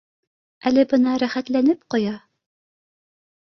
Әле бына рәхәтләнеп ҡоя